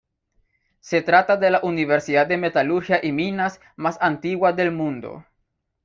Se trata de la universidad de metalurgia y minas más antigua del mundo.